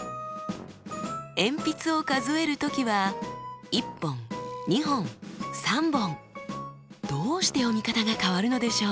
鉛筆を数える時はどうして読み方が変わるのでしょう？